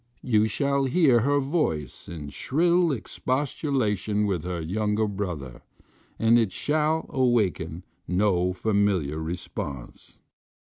You shall hear her voice in shrill expostulation with her younger brother, and it shall awaken no familiar response.